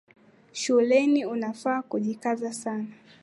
Shuleni unafaa kujikaza sana